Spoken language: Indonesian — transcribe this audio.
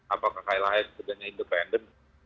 apakah klhs sejajarnya independen